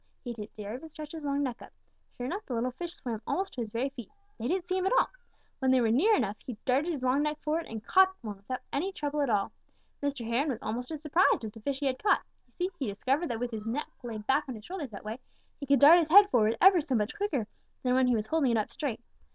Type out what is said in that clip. He didn't dare even stretch his long neck up. Sure enough, the little fish swam almost to his very feet. They didn't see him at all. When they were near enough, he darted his long neck forward and caught one without any trouble at all. Mr. Heron was almost as surprised as the fish he had caught. You see, he discovered that with his neck laid back on his shoulders that way, he could dart his head forward ever so much quicker than when he was holding it up straight.